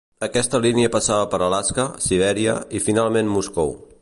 Aquesta línia passava per Alaska, Sibèria i finalment Moscou.